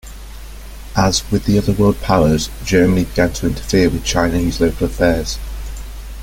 As with the other world powers, Germany began to interfere in Chinese local affairs.